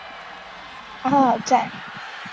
阿尔赞。